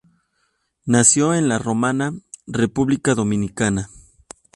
Nació en La Romana, República Dominicana.